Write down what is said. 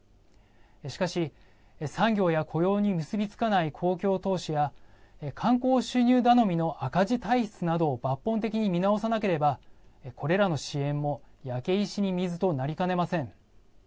しかし産業や雇用に結びつかない公共投資や観光収入頼みの赤字体質などを抜本的に見直さなければこれらの支援も焼け石に水となりかねません。